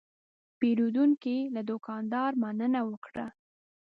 پیرودونکی له دوکاندار مننه وکړه.